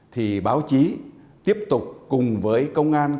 thì báo chí tiếp tục cùng với công an